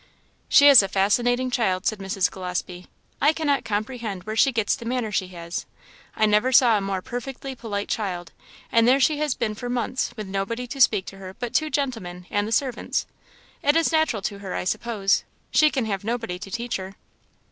"She is a fascinating child," said Mrs. Gillespie. "I cannot comprehend where she gets the manner she has. I never saw a more perfectly polite child, and there she has been for months, with nobody to speak to her but two gentlemen and the servants. It is natural to her, I suppose; she can have nobody to teach her."